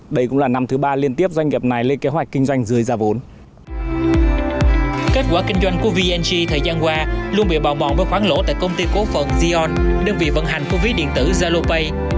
vng thời gian qua luôn bị bào mọn với khoản lỗ tại công ty cố phận xion đơn vị vận hành của ví điện tử zalopay